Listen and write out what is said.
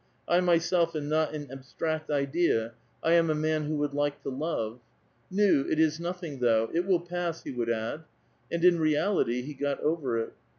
I myself am not an abstract idea ; I am a A VITAL QUESTION. 289 Unan who would like to love. Nu^ it is nothing though ; it '^ill pass," he would add. And in reality he got over it.